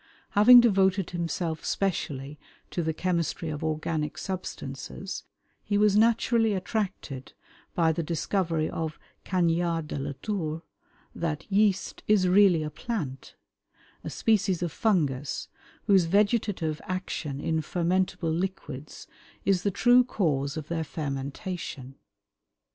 Having devoted himself specially to the chemistry of organic substances, he was naturally attracted by the discovery of Cagniard de la Tour, that yeast is really a plant, a species of fungus, whose vegetative action in fermentable liquids is the true cause of their fermentation.